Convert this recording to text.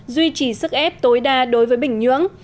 duy trì sức ép tối đa đối với bình nhưỡng